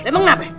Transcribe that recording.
emang kenapa ya